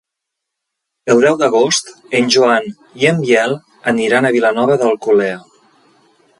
El deu d'agost en Joan i en Biel aniran a Vilanova d'Alcolea.